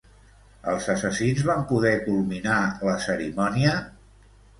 Els assassins van poder culminar la cerimònia?